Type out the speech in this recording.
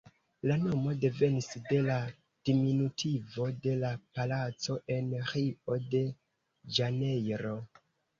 La nomo devenis de la diminutivo de la palaco en Rio-de-Ĵanejro.